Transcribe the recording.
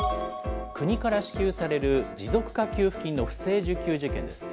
国から支給される持続化給付金の不正受給事件です。